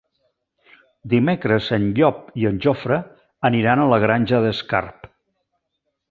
Dimecres en Llop i en Jofre aniran a la Granja d'Escarp.